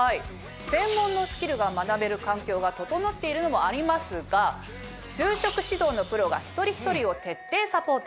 専門のスキルが学べる環境が整っているのもありますが就職指導のプロが一人一人を徹底サポート。